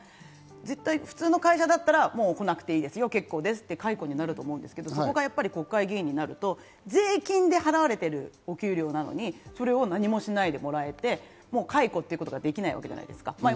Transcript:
絶対普通の会社だったら、もう来なくていいですよ、結構ですって、解雇になると思うんですけど、そこが国会議員になると税金で払われているお給料なので、何もしないでもらえて、解雇ということができないわけじゃないですか。